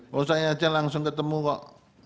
mau saya ajak langsung ketemu kok